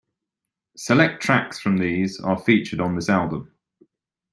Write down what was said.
Select tracks from these are featured on this album.